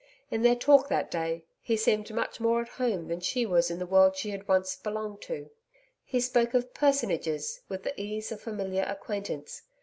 In their talk that day he seemed much more at home than she was in the world she had once belonged to. He spoke of 'personages' with the ease of familiar acquaintance.